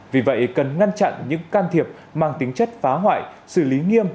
vì vậy cần ngăn chặn những can thiệp mang tính chất phá hoại xử lý nghiêm